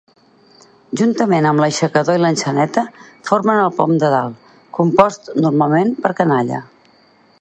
Juntament amb l'aixecador i l'enxaneta formen el pom de dalt, compost normalment per canalla.